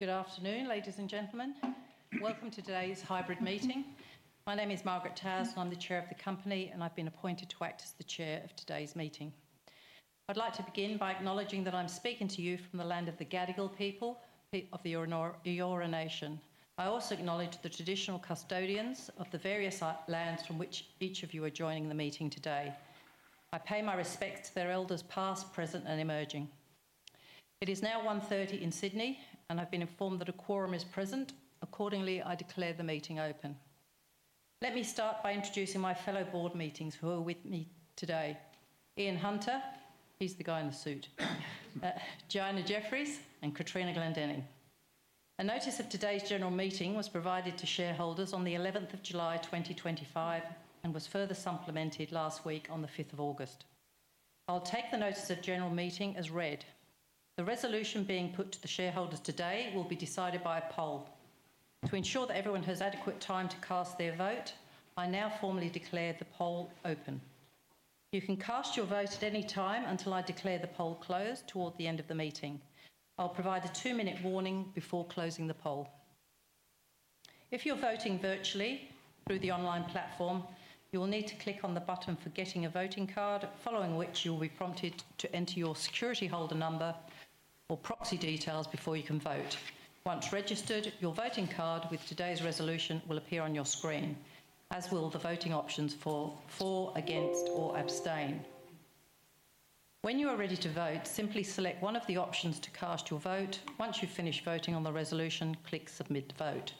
Good afternoon, ladies and gentlemen. Welcome to today's hybrid meeting. My name is Margaret Towers, and I'm the Chair of the company, and I've been appointed to act as the Chair of today's meeting. I'd like to begin by acknowledging that I'm speaking to you from the land of the Gadigal people of the Eora Nation. I also acknowledge the traditional custodians of the various lands from which each of you are joining the meeting today. I pay my respects to their elders past, present, and emerging. It is now 1:30 P.M. in Sydney, and I've been informed that a quorum is present. Accordingly, I declare the meeting open. Let me start by introducing my fellow board members who are with me today: Ian Hunter, he's the guy in the suit, Joanna Jeffries, and Katrina Glendening. A notice of today's general meeting was provided to shareholders on July 11, 2025, and was further supplemented last week on August 5. I'll take the notice of general meeting as read. The resolution being put to the shareholders today will be decided by a poll. To ensure that everyone has adequate time to cast their vote, I now formally declare the poll open. You can cast your vote at any time until I declare the poll closed toward the end of the meeting. I'll provide a two-minute warning before closing the poll. If you're voting virtually through the online platform, you will need to click on the button for getting a voting card, following which you'll be prompted to enter your security holder number or proxy details before you can vote. Once registered, your voting card with today's resolution will appear on your screen, as will the voting options for, for, against, or abstain. When you are ready to vote, simply select one of the options to cast your vote. Once you've finished voting on the resolution, click submit vote.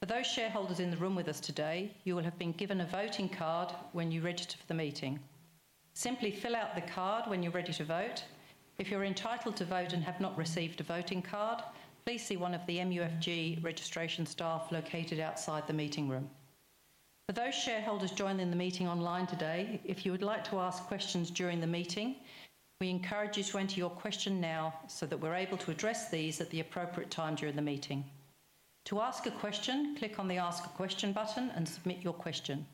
For those shareholders in the room with us today, you will have been given a voting card when you register for the meeting. Simply fill out the card when you're ready to vote. If you're entitled to vote and have not received a voting card, please see one of the MUFG registration staff located outside the meeting room. For those shareholders joining the meeting online today, if you would like to ask questions during the meeting, we encourage you to enter your question now so that we're able to address these at the appropriate time during the meeting. To ask a question, click on the ask a question button and submit your question.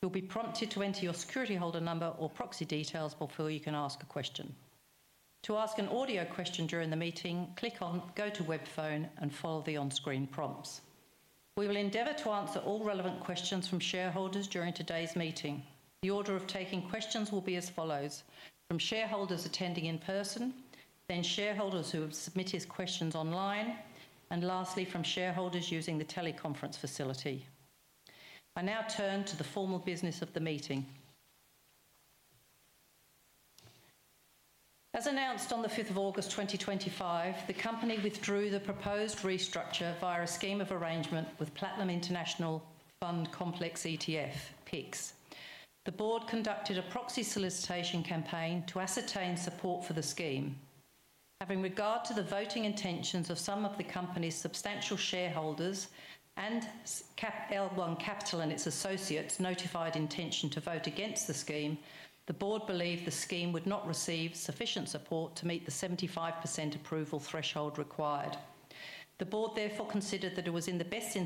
You'll be prompted to enter your security holder number or proxy details before you can ask a question. To ask an audio question during the meeting, click on go to web phone and follow the on-screen prompts. We will endeavor to answer all relevant questions from shareholders during today's meeting. The order of taking questions will be as follows: from shareholders attending in person, then shareholders who have submitted questions online, and lastly, from shareholders using the teleconference facility. I now turn to the formal business of the meeting. As announced on the 5th of August 2025, the company withdrew the proposed restructure via a scheme of arrangement with Platinum International Fund Complex ETF, PIX. The board conducted a proxy solicitation campaign to ascertain support for the scheme. Having regard to the voting intentions of some of the company's substantial shareholders and L1 Capital and its associates' notified intention to vote against the scheme, the board believed the scheme would not receive sufficient support to meet the 75% approval threshold required. The board therefore considered that it was in the best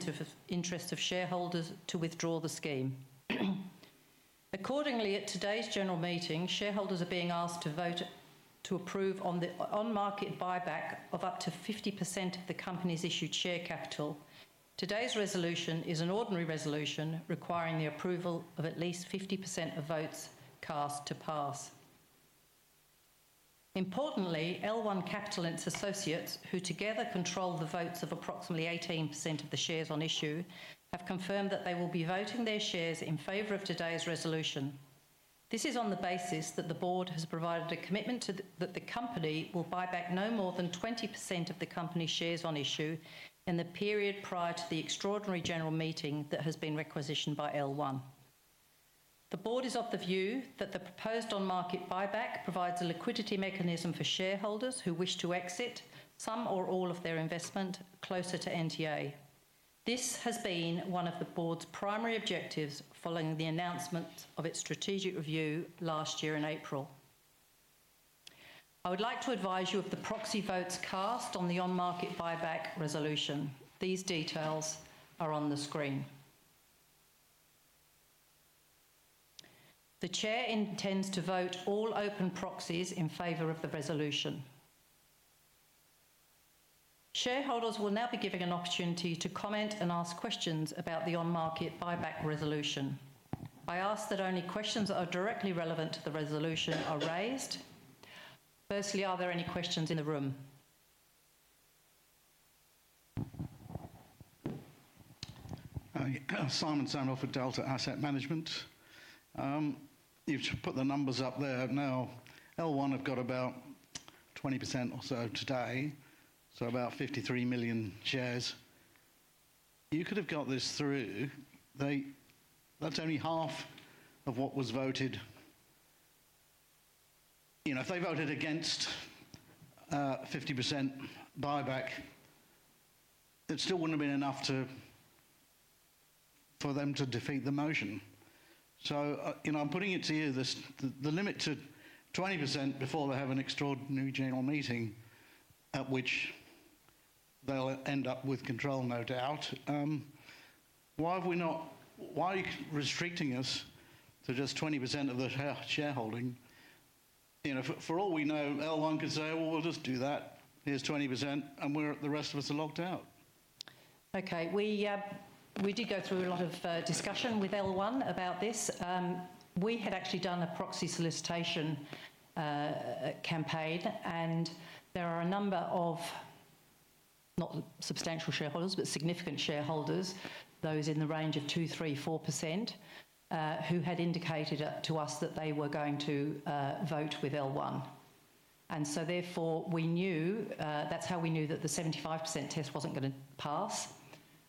interest of shareholders to withdraw the scheme. Accordingly, at today's general meeting, shareholders are being asked to vote to approve the on-market buyback of up to 50% of the company's issued share capital. Today's resolution is an ordinary resolution requiring the approval of at least 50% of votes cast to pass. Importantly, L1 Capital and its associates, who together control the votes of approximately 18% of the shares on issue, have confirmed that they will be voting their shares in favor of today's resolution. This is on the basis that the board has provided a commitment that the company will buy back no more than 20% of the company's shares on issue in the period prior to the extraordinary general meeting that has been requisitioned by L1. The board is of the view that the proposed on-market buyback provides a liquidity mechanism for shareholders who wish to exit some or all of their investment closer to NTA. This has been one of the board's primary objectives following the announcement of its strategic review last year in April. I would like to advise you of the proxy votes cast on the on-market buyback resolution. These details are on the screen. The Chair intends to vote all open proxies in favor of the resolution. Shareholders will now be given an opportunity to comment and ask questions about the on-market buyback resolution. I ask that only questions that are directly relevant to the resolution are raised. Firstly, are there any questions in the room? You've put the numbers up there. Now, L1 have got about 20% or so today, so about 53 million shares. You could have got this through. That's only half of what was voted. If they voted against 50% buyback, it still wouldn't have been enough for them to defeat the motion. I'm putting it to you, the limit to 20% before they have an extraordinary general meeting at which they'll end up with control, no doubt. Why are we not restricting us to just 20% of the shareholding? For all we know, L1 could say, we'll just do that. Here's 20% and the rest of us are locked out. Okay, we did go through a lot of discussion with L1 about this. We had actually done a proxy solicitation campaign and there are a number of not substantial shareholders, but significant shareholders, those in the range of 2%, 3%, 4%, who had indicated to us that they were going to vote with L1. Therefore, we knew, that's how we knew that the 75% test wasn't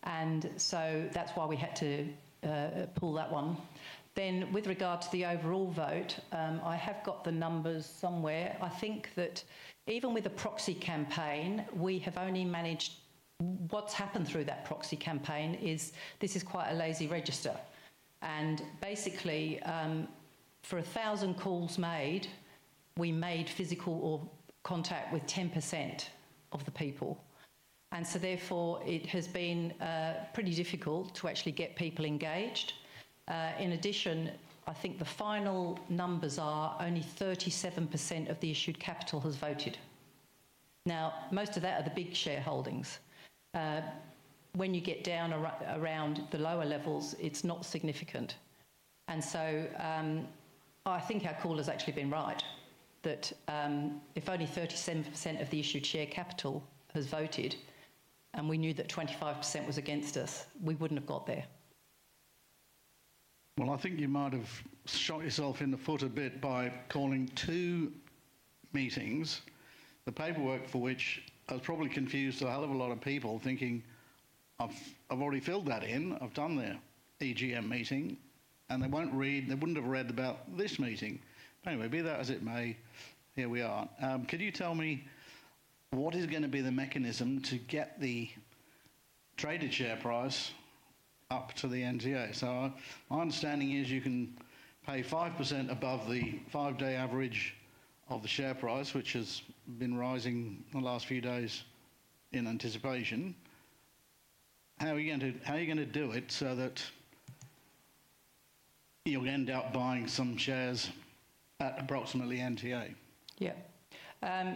going to pass. That's why we had to pull that one. With regard to the overall vote, I have got the numbers somewhere. I think that even with the proxy campaign, we have only managed what's happened through that proxy campaign is this is quite a lazy register. Basically, for a thousand calls made, we made physical contact with 10% of the people. Therefore, it has been pretty difficult to actually get people engaged. In addition, I think the final numbers are only 37% of the issued capital has voted. Most of that are the big shareholdings. When you get down around the lower levels, it's not significant. I think our call has actually been right that if only 37% of the issued share capital has voted and we knew that 25% was against us, we wouldn't have got there. I think you might have shot yourself in the foot a bit by calling two meetings, the paperwork for which probably confused a lot of people thinking I've already filled that in, I've done the extraordinary general meeting and they won't read, they wouldn't have read about this meeting. Anyway, be that as it may, here we are. Can you tell me what is going to be the mechanism to get the traded share price up to the net tangible asset value? My understanding is you can pay 5% above the five-day average of the share price, which has been rising the last few days in anticipation. How are you going to do it so that you'll end up buying some shares at approximately NTA? Yeah,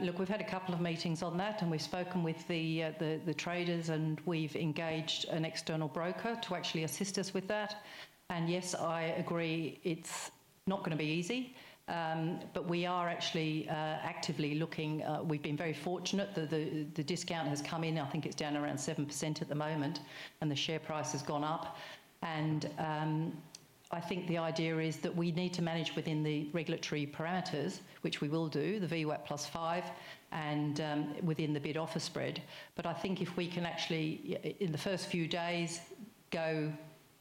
look, we've had a couple of meetings on that, we've spoken with the traders, and we've engaged an external broker to actually assist us with that. Yes, I agree it's not going to be easy, but we are actually actively looking. We've been very fortunate that the discount has come in. I think it's down around 7% at the moment and the share price has gone up. I think the idea is that we need to manage within the regulatory parameters, which we will do, the VWAP plus five and within the bid offer spread. I think if we can actually, in the first few days, go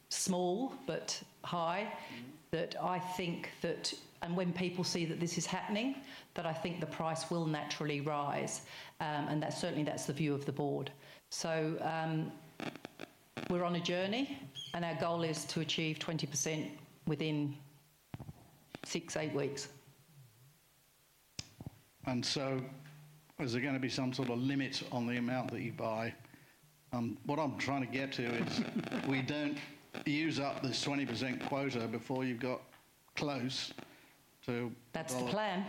small but high, when people see that this is happening, I think the price will naturally rise. That's certainly the view of the board. We're on a journey and our goal is to achieve 20% within six, eight weeks. Is there going to be some sort of limit on the amount that you buy? What I'm trying to get to is we don't use up this 20% quota before you've got close to. That's the plan.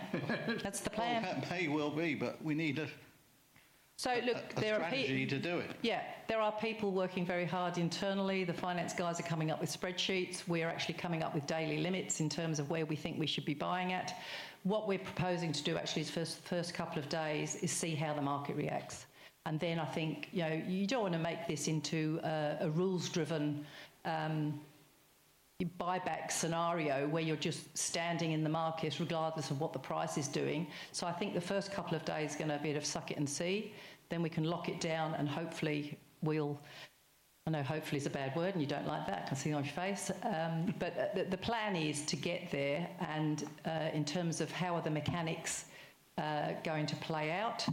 That's the plan. may well be, but we need a strategy to do it. Yeah, there are people working very hard internally. The finance guys are coming up with spreadsheets. We are actually coming up with daily limits in terms of where we think we should be buying at. What we're proposing to do actually is for the first couple of days is see how the market reacts. I think, you know, you don't want to make this into a rules-driven buyback scenario where you're just standing in the market regardless of what the price is doing. I think the first couple of days is going to be a bit of suck it and see. We can lock it down and hopefully we'll, I know hopefully is a bad word and you don't like that, I can see it on your face. The plan is to get there. In terms of how are the mechanics going to play out,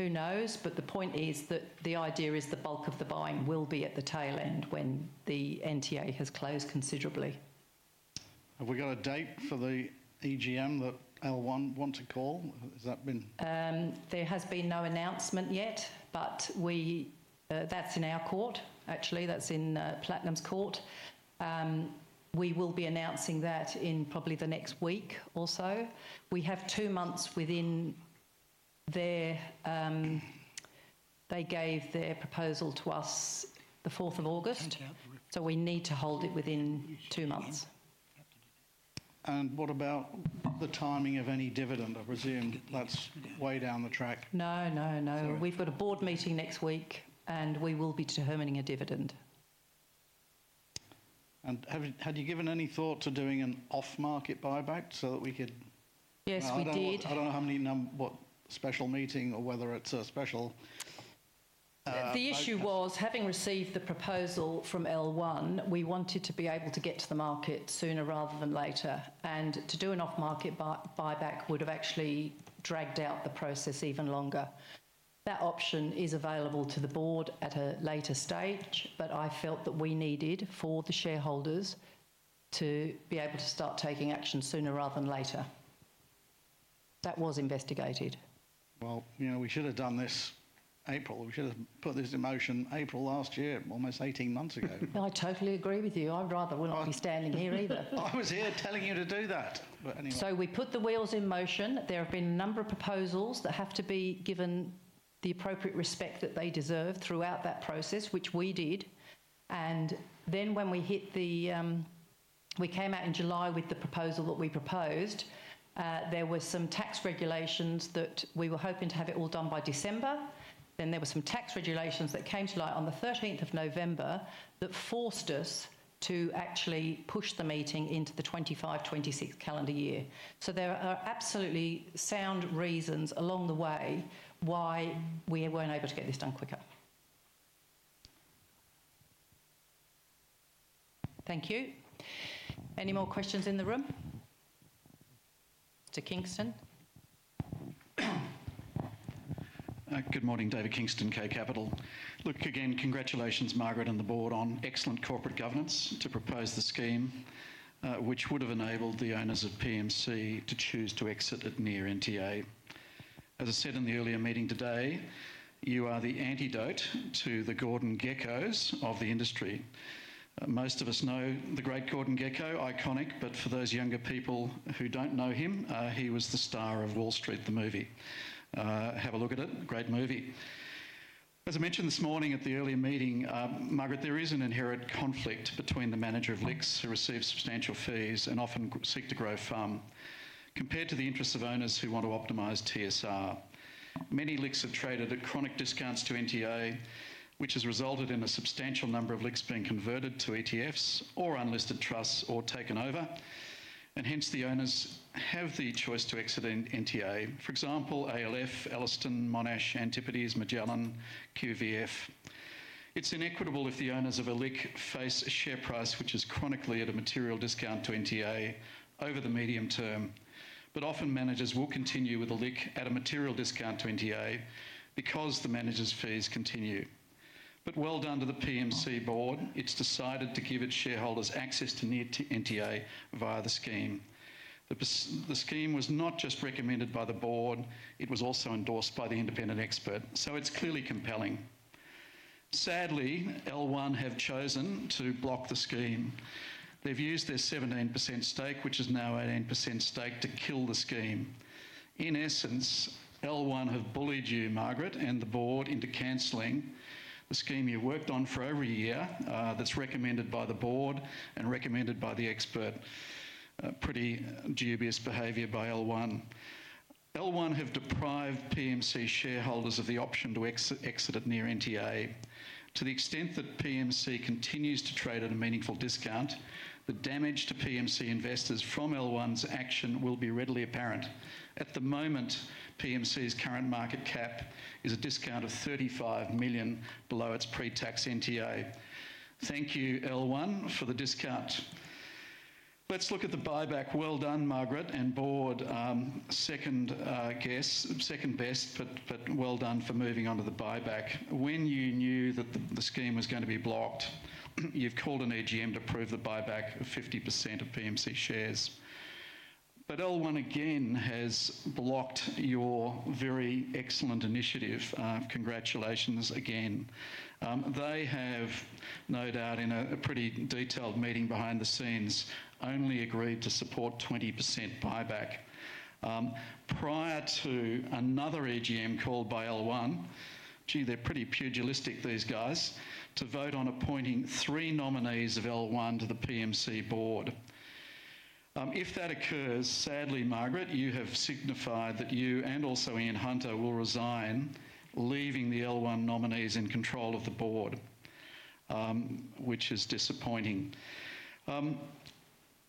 who knows, but the point is that the idea is the bulk of the buying will be at the tail end when the NTA has closed considerably. Have we got a date for the extraordinary general meeting that L1 Capital want to call? Has that been? There has been no announcement yet, but that's in our court, actually, that's in Platinum's court. We will be announcing that in probably the next week or so. We have two months within their, they gave their proposal to us the 4th of August, so we need to hold it within two months. What about the timing of any dividend? I presume that's way down the track. No, no, no. We've got a board meeting next week, and we will be determining a dividend. Had you given any thought to doing an off-market buyback so that we could? Yes, we did. I don't know how many, what extraordinary general meeting or whether it's a special. The issue was having received the proposal from L1, we wanted to be able to get to the market sooner rather than later. To do an off-market buyback would have actually dragged out the process even longer. That option is available to the board at a later stage, but I felt that we needed for the shareholders to be able to start taking action sooner rather than later. That was investigated. We should have done this in April. We should have put this in motion in April last year, almost 18 months ago. I totally agree with you. I'd rather we not be standing here either. I was here telling you to do that. We put the wheels in motion. There have been a number of proposals that have to be given the appropriate respect that they deserve throughout that process, which we did. When we came out in July with the proposal that we proposed, there were some tax regulations that we were hoping to have it all done by December. There were some tax regulations that came to light on the 13th of November that forced us to actually push the meeting into the 2025-2026 calendar year. There are absolutely sound reasons along the way why we weren't able to get this done quicker. Thank you. Any more questions in the room? To Kingston. Good morning, David Kingston, K-Capital. Look, again, congratulations, Margaret, and the board on excellent corporate governance to propose the scheme, which would have enabled the owners of PMC to choose to exit at near NTA. As I said in the earlier meeting today, you are the antidote to the Gordon Gecko's of the industry. Most of us know the great Gordon Gecko, iconic, but for those younger people who don't know him, he was the star of Wall Street, the movie. Have a look at it, great movie. As I mentioned this morning at the earlier meeting, Margaret, there is an inherent conflict between the manager of LICs who receives substantial fees and often seeks to grow a firm. Compared to the interests of owners who want to optimize TSR, many LICs have traded at chronic discounts to NTA, which has resulted in a substantial number of LICs being converted to ETFs or unlisted trusts or taken over. Hence, the owners have the choice to exit NTA, for example, ALF, Ellerston, Monash, Antipodes, Magellan, QVF. It's inequitable if the owners of a LIC face a share price which is chronically at a material discount to NTA over the medium term. Often, managers will continue with a LIC at a material discount to NTA because the manager's fees continue. Well done to the PMC board. It's decided to give its shareholders access to near NTA via the scheme. The scheme was not just recommended by the board, it was also endorsed by the independent expert, so it's clearly compelling. Sadly, L1 Capital have chosen to block the scheme. They've used their 17% stake, which is now an 18% stake, to kill the scheme. In essence, L1 Capital have bullied you, Margaret, and the board into cancelling the scheme you worked on for over a year that's recommended by the board and recommended by the expert. Pretty dubious behavior by L1 Capital. L1 Capital have deprived PMC shareholders of the option to exit at near NTA. To the extent that PMC continues to trade at a meaningful discount, the damage to PMC investors from L1 Capital's action will be readily apparent. At the moment, PMC's current market cap is a discount of $35 million below its pre-tax NTA. Thank you, L1 Capital, for the discount. Let's look at the buyback. Well done, Margaret, and board. Second best, but well done for moving on to the buyback. When you knew that the scheme was going to be blocked, you've called an AGM to approve the buyback of 50% of PMC shares. L1 Capital, again, has blocked your very excellent initiative. Congratulations again. They have, no doubt, in a pretty detailed meeting behind the scenes, only agreed to support 20% buyback. Prior to another AGM called by L1, gee, they're pretty pugilistic, these guys, to vote on appointing three nominees of L1 to the PMC board. If that occurs, sadly, Margaret, you have signified that you and also Ian Hunter will resign, leaving the L1 nominees in control of the board, which is disappointing.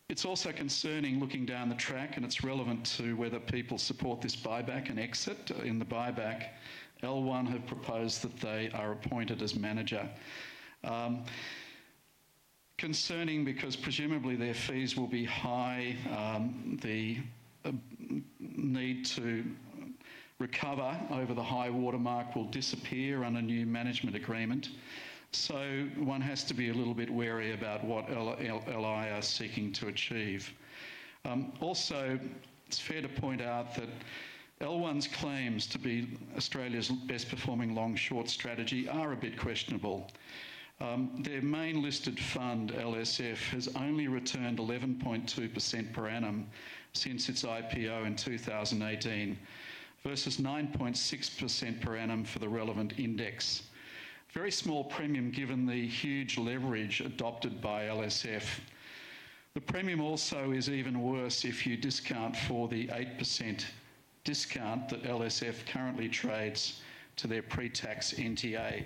It's also concerning looking down the track, and it's relevant to whether people support this buyback and exit. In the buyback, L1 have proposed that they are appointed as manager. Concerning because presumably their fees will be high, the need to recover over the high watermark will disappear on a new management agreement. One has to be a little bit wary about what L1 are seeking to achieve. Also, it's fair to point out that L1's claims to be Australia's best performing long-short strategy are a bit questionable. Their main listed fund, L1 Long Short Fund Limited (LSF), has only returned 11.2% per annum since its IPO in 2018, versus 9.6% per annum for the relevant index. Very small premium given the huge leverage adopted by LSF. The premium also is even worse if you discount for the 8% discount that LSF currently trades to their pre-tax NTA.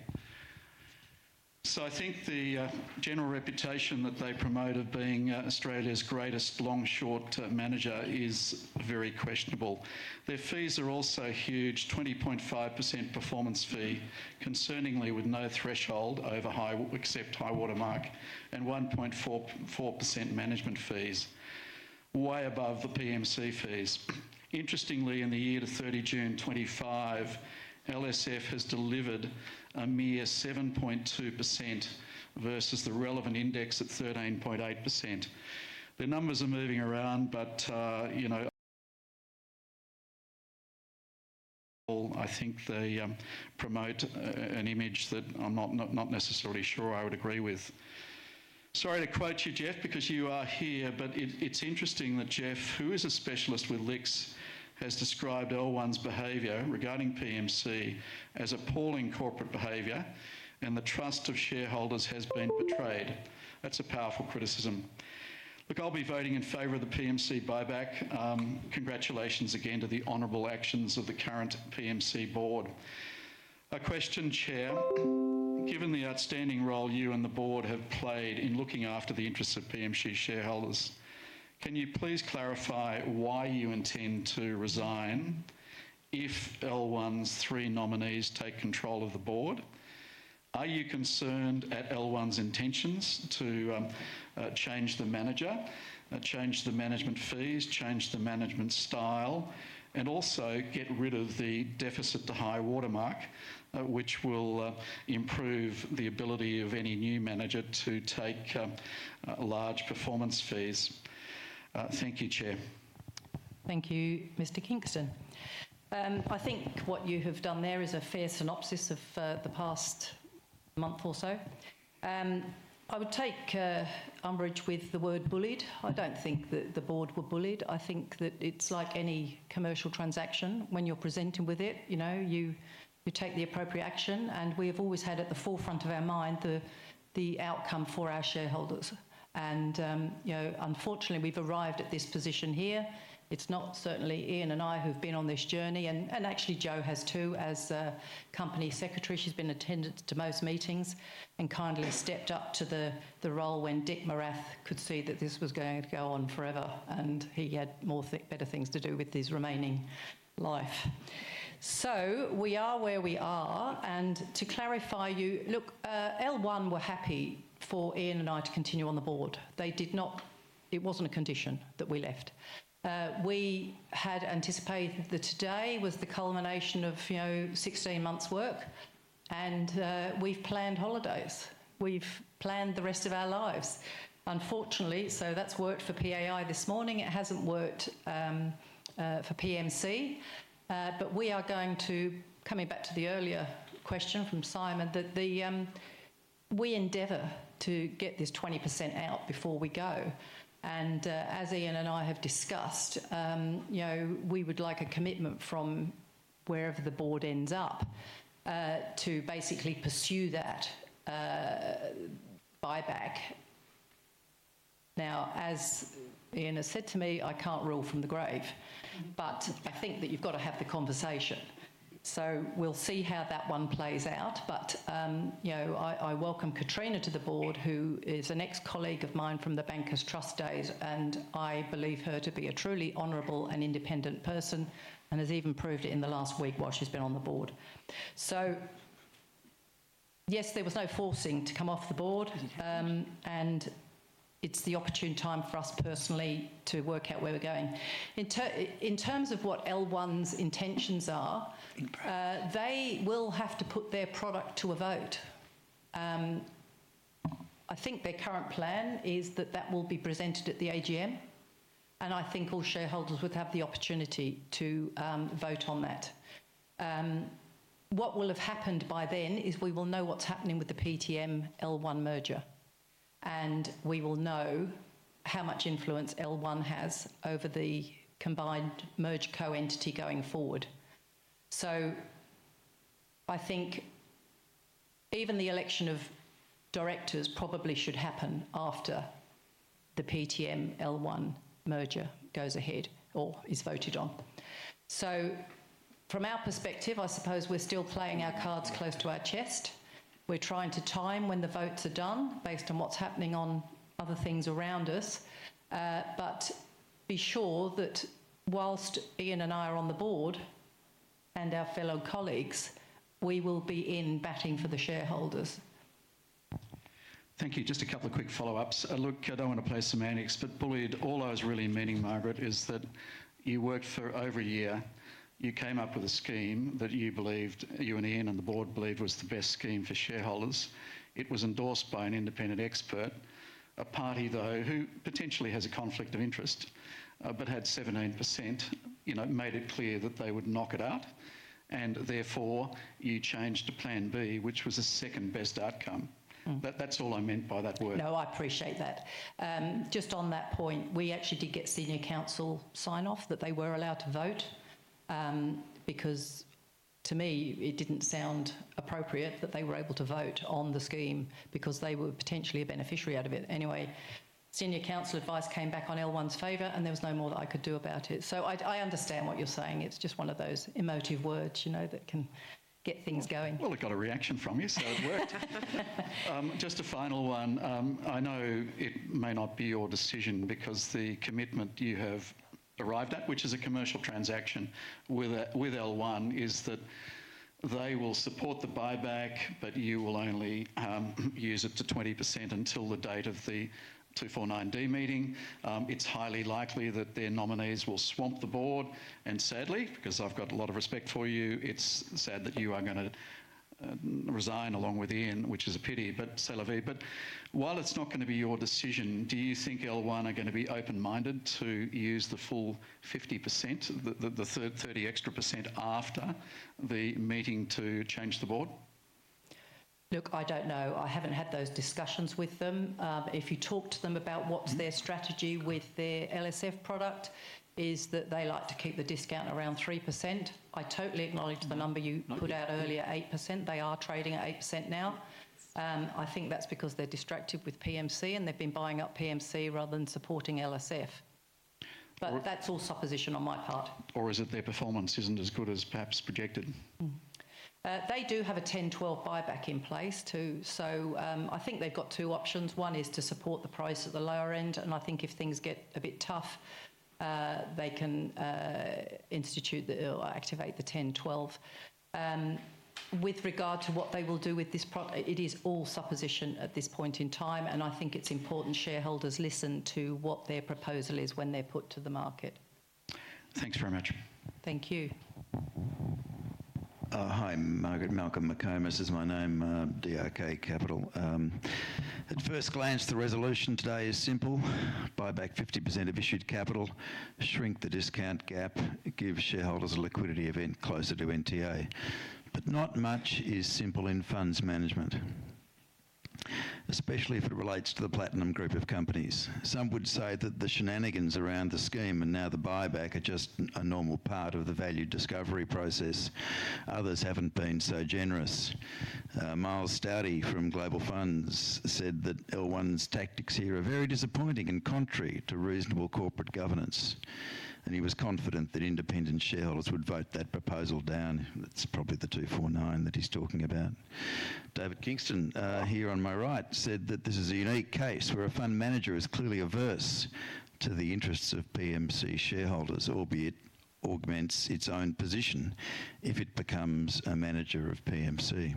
I think the general reputation that they promote of being Australia's greatest long-short manager is very questionable. Their fees are also huge, 20.5% performance fee, concerningly with no threshold except high watermark, and 1.4% management fees, way above the PMC fees. Interestingly, in the year to 30 June 2025, LSF has delivered a mere 7.2% versus the relevant index at 13.8%. The numbers are moving around, but I think they promote an image that I'm not necessarily sure I would agree with. Sorry to quote you, Jeff, because you are here, but it's interesting that Jeff, who is a specialist with LICs, has described L1's behaviour regarding PMC as appalling corporate behaviour, and the trust of shareholders has been betrayed. That's a powerful criticism. I'll be voting in favor of the PMC buyback. Congratulations again to the honorable actions of the current PMC board. I question, Chair, given the outstanding role you and the board have played in looking after the interests of PMC shareholders, can you please clarify why you intend to resign if L1's three nominees take control of the board? Are you concerned at L1's intentions to change the manager, change the management fees, change the management style, and also get rid of the deficit to high watermark, which will improve the ability of any new manager to take large performance fees? Thank you, Chair. Thank you, Mr. Kingston. I think what you have done there is a fair synopsis of the past month or so. I would take umbrage with the word bullied. I don't think that the board were bullied. I think that it's like any commercial transaction when you're presented with it. You take the appropriate action, and we have always had at the forefront of our mind the outcome for our shareholders. Unfortunately, we've arrived at this position here. It's not certainly Ian and I who've been on this journey, and actually Joe has too, as a Company Secretary. She's been attendant to most meetings and kindly stepped up to the role when Dick Marath could see that this was going to go on forever, and he had more better things to do with his remaining life. We are where we are, and to clarify for you, look, L1 Capital were happy for Ian and I to continue on the board. It was not a condition that we left. We had anticipated that today was the culmination of 16 months' work, and we've planned holidays. We've planned the rest of our lives. Unfortunately, that's worked for PAI this morning. It hasn't worked for Platinum Capital Limited, but we are going to, coming back to the earlier question from Simon, we endeavor to get this 20% out before we go. As Ian and I have discussed, we would like a commitment from wherever the board ends up to basically pursue that buyback. As Ian has said to me, I can't rule from the grave, but I think that you've got to have the conversation. We'll see how that one plays out, but I welcome Katrina to the board, who is an ex-colleague of mine from the Bankers Trust days, and I believe her to be a truly honorable and independent person and has even proved it in the last week while she's been on the board. There was no forcing to come off the board, and it's the opportune time for us personally to work out where we're going. In terms of what L1 Capital's intentions are, they will have to put their product to a vote. I think their current plan is that that will be presented at the AGM, and I think all shareholders would have the opportunity to vote on that. What will have happened by then is we will know what's happening with the PTM-L1 merger, and we will know how much influence L1 Capital has over the combined merged co-entity going forward. I think even the election of directors probably should happen after the PTM-L1 merger goes ahead or is voted on. From our perspective, I suppose we're still playing our cards close to our chest. We're trying to time when the votes are done based on what's happening on other things around us. Be sure that whilst Ian and I are on the board and our fellow colleagues, we will be in batting for the shareholders. Thank you. Just a couple of quick follow-ups. Look, I don't want to play semantics, but bullied, all I was really meaning, Margaret, is that you worked for over a year. You came up with a scheme that you believed you and Ian and the board believed was the best scheme for shareholders. It was endorsed by an independent expert, a party though who potentially has a conflict of interest, but had 17%, you know, made it clear that they would knock it out. Therefore, you changed to Plan B, which was a second best outcome. That's all I meant by that word. No, I appreciate that. Just on that point, we actually did get Senior Counsel sign-off that they were allowed to vote because to me, it didn't sound appropriate that they were able to vote on the scheme because they were potentially a beneficiary out of it. Anyway, Senior Counsel advice came back in L1's favor and there was no more that I could do about it. I understand what you're saying. It's just one of those emotive words that can get things going. It got a reaction from you, so it worked. Just a final one. I know it may not be your decision because the commitment you have arrived at, which is a commercial transaction with L1 Capital, is that they will support the buyback, but you will only use it to 20% until the date of the 249D meeting. It's highly likely that their nominees will swamp the board. Sadly, because I've got a lot of respect for you, it's sad that you are going to resign along with Ian, which is a pity, but c'est la vie. While it's not going to be your decision, do you think L1 Capital are going to be open-minded to use the full 50%, the 30% extra after the meeting to change the board? Look, I don't know. I haven't had those discussions with them. If you talk to them about what's their strategy with their L1 Long Short Fund Limited (LSF) product, it is that they like to keep the discount around 3%. I totally acknowledge the number you put out earlier, 8%. They are trading at 8% now. I think that's because they're distracted with Platinum Capital Limited (PMC) and they've been buying up PMC rather than supporting LSF. That's all supposition on my part. Is it their performance isn't as good as perhaps projected? They do have a 10-12% buyback in place too. I think they've got two options. One is to support the price at the lower end. I think if things get a bit tough, they can activate the 10-12%. With regard to what they will do with this product, it is all supposition at this point in time. I think it's important shareholders listen to what their proposal is when they're put to the market. Thanks very much. Thank you. Hi, Margaret. Malcolm McComas. This is my name, DRK Capital. At first glance, the resolution today is simple: buy back 50% of issued capital, shrink the discount gap, give shareholders a liquidity event closer to NTA. Not much is simple in funds management, especially if it relates to the Platinum Group of companies. Some would say that the shenanigans around the scheme and now the buyback are just a normal part of the value discovery process. Others haven't been so generous. Miles Stouty from Global Funds said that L1's tactics here are very disappointing and contrary to reasonable corporate governance. He was confident that independent shareholders would vote that proposal down. That's probably the 249 that he's talking about. David Kingston here on my right said that this is a unique case where a fund manager is clearly averse to the interests of PMC shareholders, albeit augments its own position if it becomes a manager of PMC.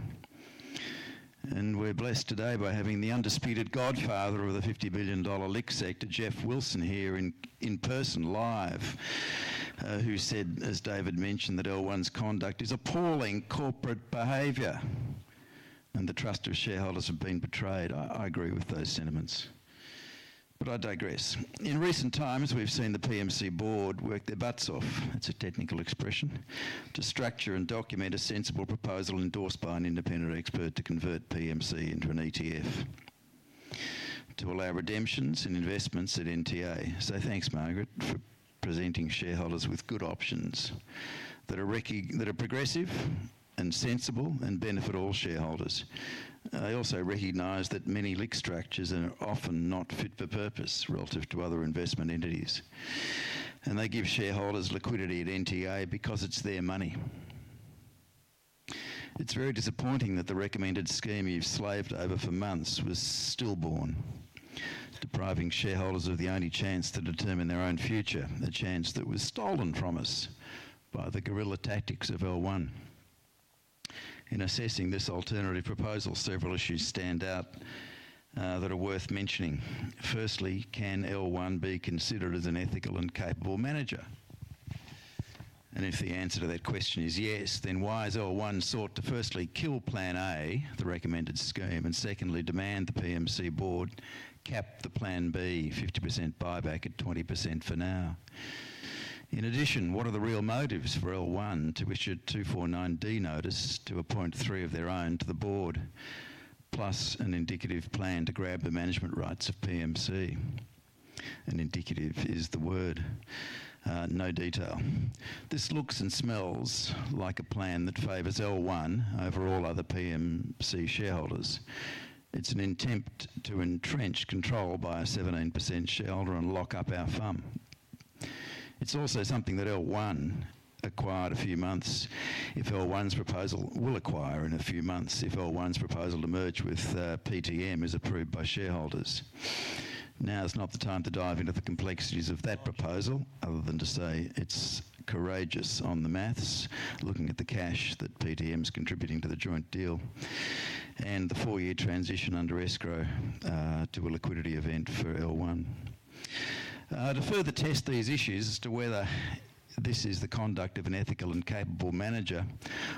We're blessed today by having the undisputed godfather of the $50 billion LICs sector, Jeff Wilson, here in person live, who said, as David mentioned, that L1's conduct is appalling corporate behavior and the trust of shareholders have been betrayed. I agree with those sentiments. In recent times, we've seen the PMC board work their butts off, that's a technical expression, to structure and document a sensible proposal endorsed by an independent expert to convert PMC into an ETF to allow redemptions and investments at NTA. Thanks, Margaret, for presenting shareholders with good options that are progressive and sensible and benefit all shareholders. I also recognize that many LICs structures are often not fit for purpose relative to other investment entities. They give shareholders liquidity at NTA because it's their money. It's very disappointing that the recommended scheme you've slaved over for months was stillborn, depriving shareholders of the only chance to determine their own future, a chance that was stolen from us by the guerrilla tactics of L1. In assessing this alternative proposal, several issues stand out that are worth mentioning. Firstly, can L1 be considered as an ethical and capable manager? If the answer to that question is yes, then why has L1 sought to firstly kill Plan A, the recommended scheme, and secondly demand the PMC board cap the Plan B 50% buyback at 20% for now? In addition, what are the real motives for L1 to issue a 249D notice to appoint three of their own to the board, plus an indicative plan to grab the management rights of PMC? An indicative is the word. No detail. This looks and smells like a plan that favors L1 over all other PMC shareholders. It's an attempt to entrench control by a 17% shareholder and lock up our firm. It's also something that L1 acquired a few months if L1's proposal will acquire in a few months if L1's proposal to merge with PTM is approved by shareholders. Now is not the time to dive into the complexities of that proposal, other than to say it's courageous on the maths, looking at the cash that PTM is contributing to the joint deal and the four-year transition under escrow to a liquidity event for L1. To further test these issues as to whether this is the conduct of an ethical and capable manager,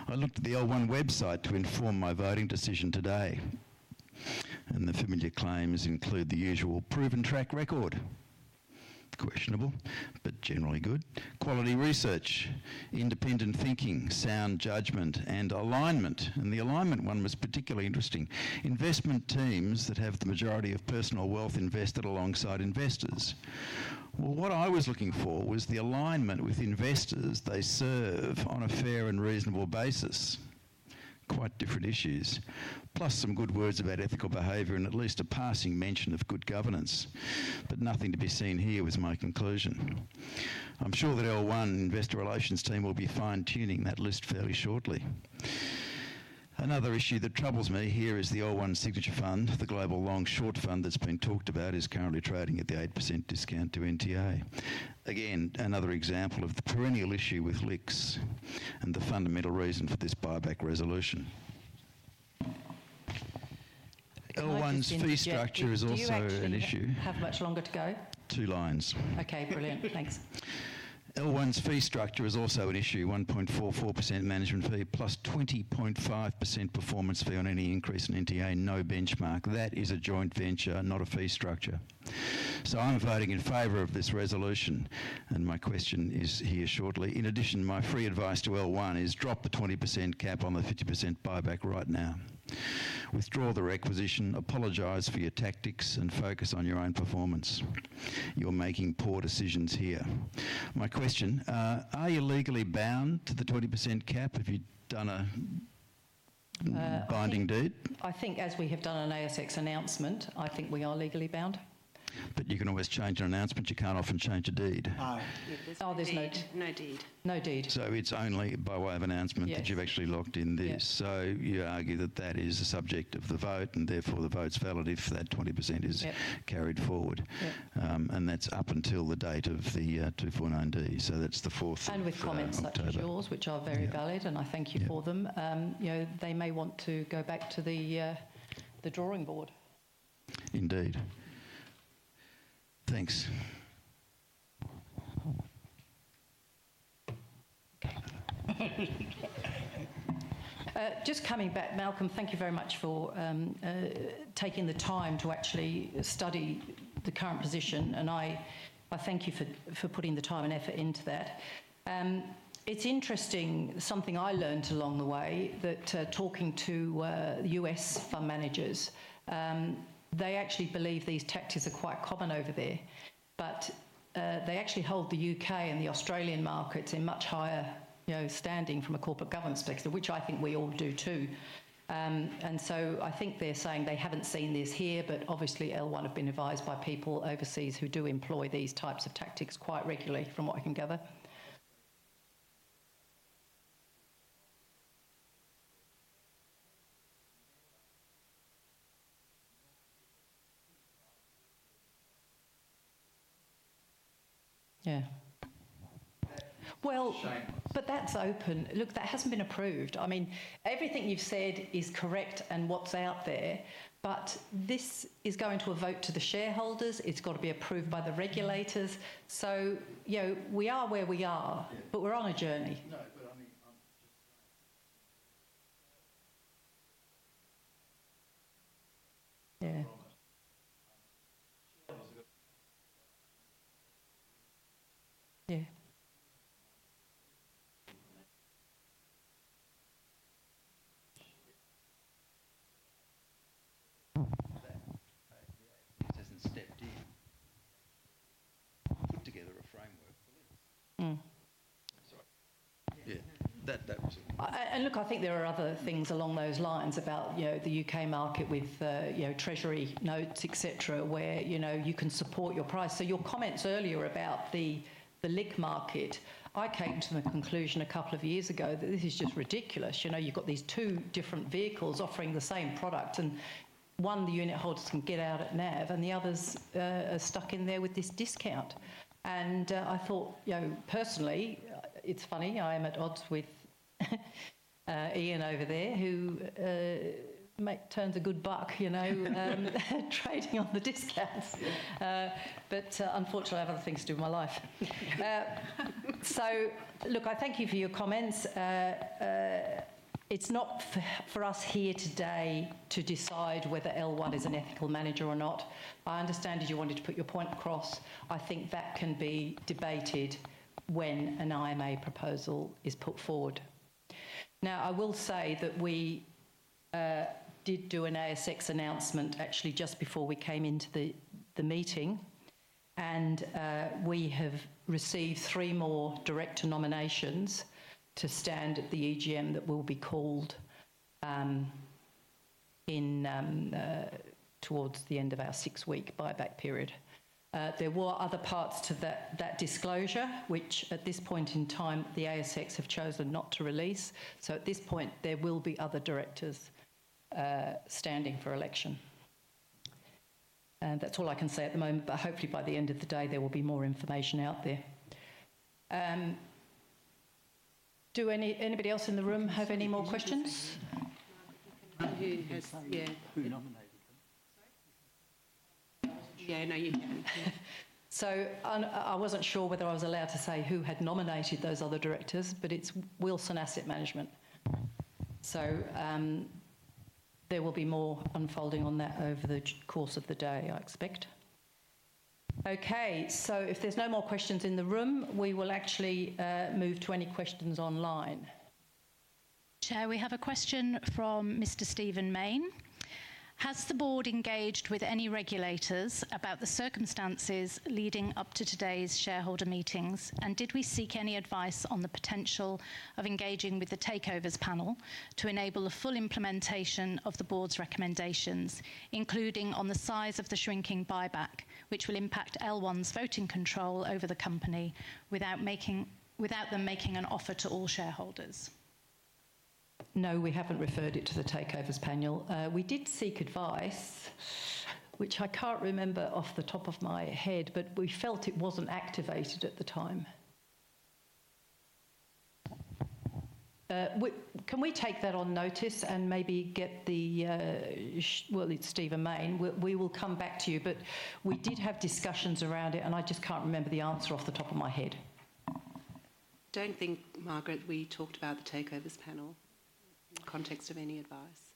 I looked at the L1 website to inform my voting decision today. The familiar claims include the usual proven track record, questionable, but generally good, quality research, independent thinking, sound judgment, and alignment. The alignment one was particularly interesting. Investment teams that have the majority of personal wealth invested alongside investors. What I was looking for was the alignment with investors they serve on a fair and reasonable basis. Quite different issues, plus some good words about ethical behavior and at least a passing mention of good governance. Nothing to be seen here was my conclusion. I'm sure that L1 investor relations team will be fine-tuning that list fairly shortly. Another issue that troubles me here is the L1 signature fund, the global long-short fund that's been talked about, is currently trading at the 8% discount to NTA. Again, another example of the perennial issue with LICs and the fundamental reason for this buyback resolution. L1's fee structure is also an issue. Have much longer to go. Two lines. Okay, brilliant. Thanks. L1's fee structure is also an issue, 1.44% management fee, plus 20.5% performance fee on any increase in NTA, no benchmark. That is a joint venture, not a fee structure. I'm voting in favor of this resolution. My question is here shortly. In addition, my free advice to L1 is drop the 20% cap on the 50% buyback right now. Withdraw the requisition, apologize for your tactics, and focus on your own performance. You're making poor decisions here. My question, are you legally bound to the 20% cap if you've done a binding deed? I think as we have done an ASX announcement, I think we are legally bound. You can always change an announcement. You can't often change a deed. Oh, there's no deed. No deed. It's only by way of announcement that you've actually locked in this. You argue that that is the subject of the vote and therefore the vote's valid if that 20% is carried forward. That's up until the date of the 249D. That's the fourth. With comments like yours, which are very valid, and I thank you for them, they may want to go back to the drawing board. Indeed. Just coming back, Malcolm, thank you very much for taking the time to actually study the current position. I thank you for putting the time and effort into that. It's interesting, something I learned along the way, that talking to the U.S. fund managers, they actually believe these tactics are quite common over there. They actually hold the UK and the Australian markets in much higher standing from a corporate governance perspective, which I think we all do too. I think they're saying they haven't seen this here, but obviously L1 Capital have been advised by people overseas who do employ these types of tactics quite regularly from what I can gather. That hasn't been approved. I mean, everything you've said is correct and what's out there, but this is going to a vote to the shareholders. It's got to be approved by the regulators. You know, we are where we are, but we're on a journey. Yeah. Step D, put together a framework. I think there are other things along those lines about the UK market with treasury notes, etc., where you can support your price. Your comments earlier about the LICs market, I came to a conclusion a couple of years ago that this is just ridiculous. You've got these two different vehicles offering the same product, and one, the unit holders can get out at NTA, and the others are stuck in there with this discount. I thought, personally, it's funny, I am at odds with Ian over there who turns a good buck trading on the discounts. Unfortunately, I have other things to do with my life. I thank you for your comments. It's not for us here today to decide whether L1 Capital is an ethical manager or not. I understand that you wanted to put your point across. I think that can be debated when an IMA proposal is put forward. I will say that we did do an ASX announcement actually just before we came into the meeting, and we have received three more director nominations to stand at the EGM that will be called towards the end of our six-week buyback period. There were other parts to that disclosure, which at this point in time, the ASX have chosen not to release. At this point, there will be other directors standing for election. That's all I can say at the moment, but hopefully by the end of the day, there will be more information out there. Does anybody else in the room have any more questions? Yeah, he has nominated them. Yeah, I know you know. I wasn't sure whether I was allowed to say who had nominated those other directors, but it's Wilson Asset Management. There will be more unfolding on that over the course of the day, I expect. If there's no more questions in the room, we will actually move to any questions online. Today, we have a question from Mr. Stephen Main. Has the board engaged with any regulators about the circumstances leading up to today's shareholder meetings, and did we seek any advice on the potential of engaging with the Takeovers Panel to enable a full implementation of the board's recommendations, including on the size of the shrinking buyback, which will impact L1's voting control over the company without them making an offer to all shareholders? No, we haven't referred it to the Takeovers Panel. We did seek advice, which I can't remember off the top of my head, but we felt it wasn't activated at the time. Can we take that on notice and maybe get the, well, it's Stephen Main. We will come back to you, but we did have discussions around it, and I just can't remember the answer off the top of my head. Margaret, we talked about the Takeovers Panel in the context of any advice.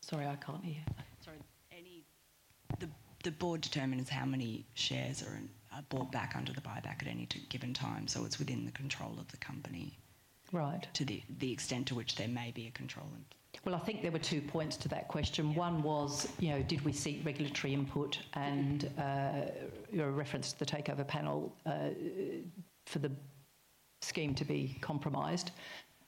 Sorry, I can't hear. Sorry. The board determines how many shares are bought back under the buyback at any given time, so it's within the control of the company. Right. To the extent to which there may be a control in. I think there were two points to that question. One was, did we seek regulatory input and your reference to the Takeovers Panel for the scheme to be compromised?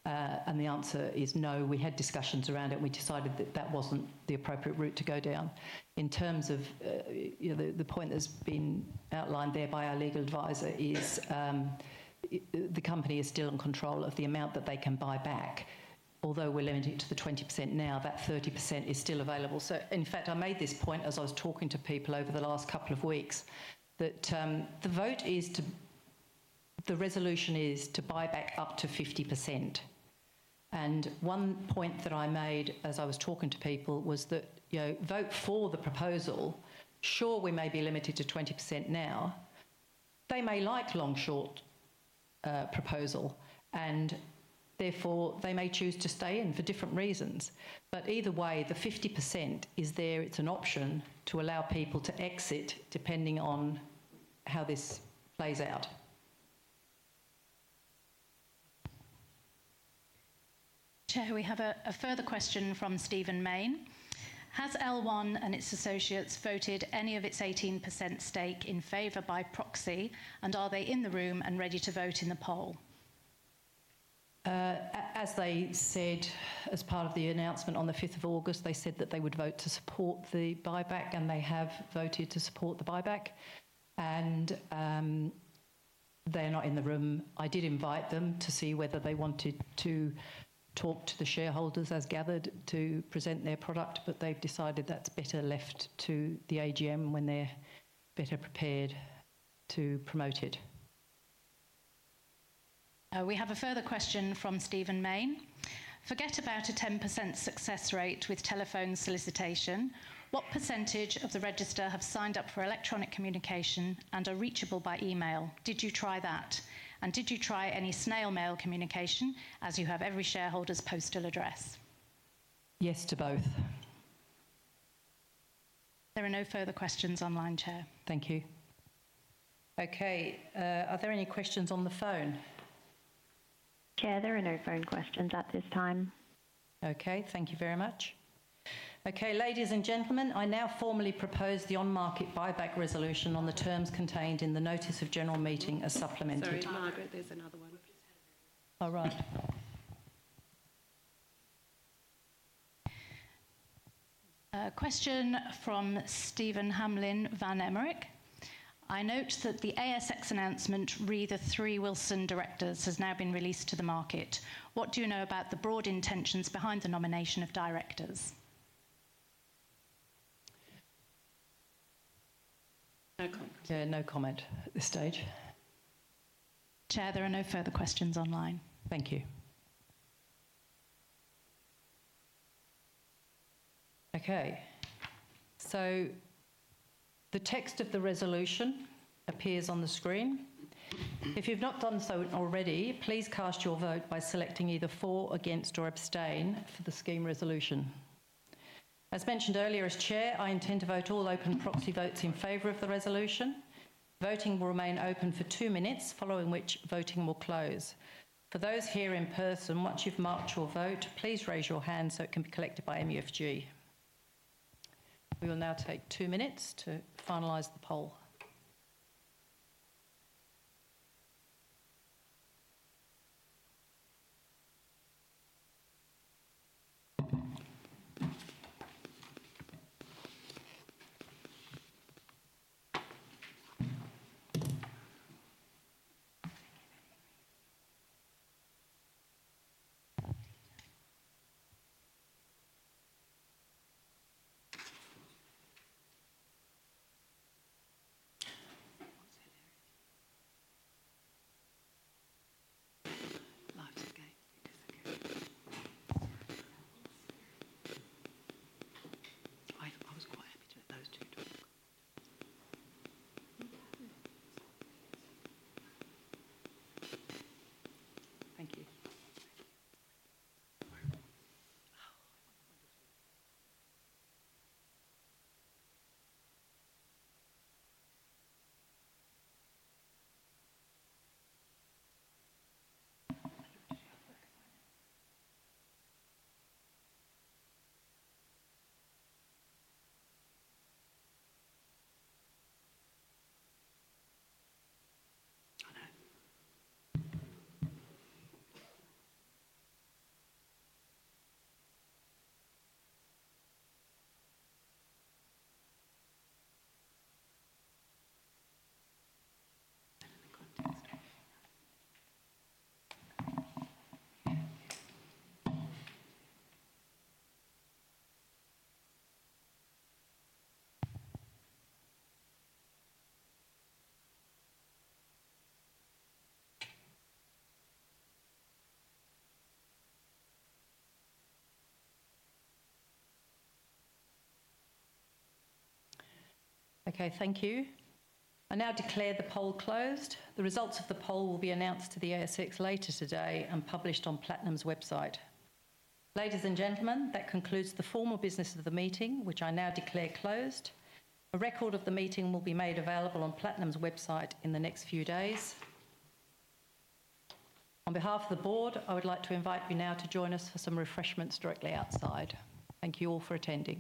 The answer is no, we had discussions around it and we decided that that wasn't the appropriate route to go down. In terms of the point that's been outlined there by our legal advisor, the company is still in control of the amount that they can buy back. Although we're limiting it to the 20% now, that 30% is still available. In fact, I made this point as I was talking to people over the last couple of weeks that the vote is to, the resolution is to buy back up to 50%. One point that I made as I was talking to people was that, vote for the proposal. Sure, we may be limited to 20% now. They may like long-short proposal, and therefore they may choose to stay in for different reasons. Either way, the 50% is there. It's an option to allow people to exit depending on how this plays out. We have a further question from Stephen Main. Has L1 and its associates voted any of its 18% stake in favor by proxy, and are they in the room and ready to vote in the poll? As they said, as part of the announcement on the 5th of August, they said that they would vote to support the buyback, and they have voted to support the buyback. They're not in the room. I did invite them to see whether they wanted to talk to the shareholders as gathered to present their product, but they've decided that's better left to the AGM when they're better prepared to promote it. We have a further question from Stephen Main. Forget about a 10% success rate with telephone solicitation. What percentage of the register have signed up for electronic communication and are reachable by email? Did you try that? Did you try any snail mail communication as you have every shareholder's postal address? Yes to both. There are no further questions online, Chair. Thank you. Okay, are there any questions on the phone? Chair, there are no phone questions at this time. Okay, thank you very much. Okay, ladies and gentlemen, I now formally propose the on-market buyback resolution on the terms contained in the notice of general meeting as supplementary. Sorry, Margaret, there's another one for you there. All right. Question from Stephen Hamlin van Emmerik. I note that the ASX announcement regarding the three Wilson Asset Management directors has now been released to the market. What do you know about the broad intentions behind the nomination of directors? No comment at this stage. Chair, there are no further questions online. Thank you. Okay, so the text of the resolution appears on the screen. If you've not done so already, please cast your vote by selecting either for, against, or abstain for the scheme resolution. As mentioned earlier, as Chair, I intend to vote all open proxy votes in favor of the resolution. Voting will remain open for two minutes, following which voting will close. For those here in person, once you've marked your vote, please raise your hand so it can be collected by MUFG. We will now take two minutes to finalize the poll. Thank you. Okay, thank you. I now declare the poll closed. The results of the poll will be announced to the ASX later today and published on Platinum’s website. Ladies and gentlemen, that concludes the formal business of the meeting, which I now declare closed. A record of the meeting will be made available on Platinum’s website in the next few days. On behalf of the board, I would like to invite you now to join us for some refreshments directly outside. Thank you all for attending.